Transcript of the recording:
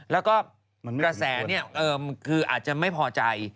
แล้วก็กระแสนี่คืออาจจะไม่พอใจ